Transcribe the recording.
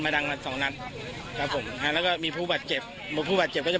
ไม่ได้ทันที่นี่ไม่หนีเอานอกพื้นที่ไม่ทันก็เลยโดนประชา